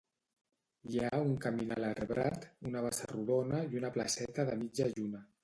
Hi ha un caminal arbrat, una bassa rodona i una placeta de mitja lluna.